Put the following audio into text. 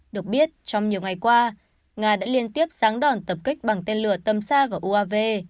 được biết trong nhiều ngày qua nga đã liên tiếp dáng đòn tập kích bằng tên lửa tầm xa và uav